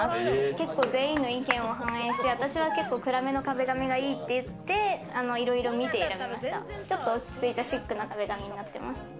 結構全員の意見を反映して、私は暗めの壁紙がいいって言って、ちょっと落ち着いたシックな壁紙になってます。